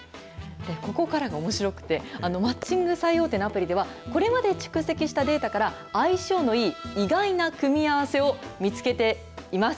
ここからがおもしろくて、マッチング最大手のアプリでは、これまで蓄積したデータから、相性のいい意外な組み合わせを見つけています。